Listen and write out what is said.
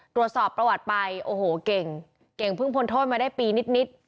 ตรวจสอบประวัติไปโอ้โหเก่งเก่งเพิ่งพ้นโทษมาได้ปีนิด